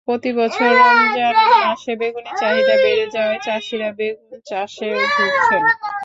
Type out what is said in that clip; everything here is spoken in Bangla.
প্রতিবছর রমজান মাসে বেগুনের চাহিদা বেড়ে যাওয়ায় চাষিরা বেগুন চাষে ঝুঁকছেন।